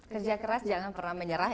kerja keras jangan pernah menyerah